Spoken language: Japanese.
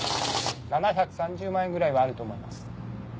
７３０万円ぐらいはあると思います。